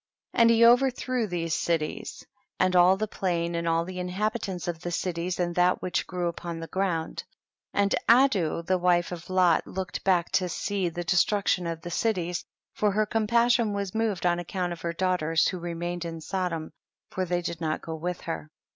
52. And he overthrew these cities, THE BOOK OF JASHER. aJl the plain and all the inhabitants of the cities, and that which grew upon the ground ; and Ado the wife of Lot looked back to see the de struction of the cities, for her com passion was moved on account of iier daughters who remained in Sodom, for they did not go with licr.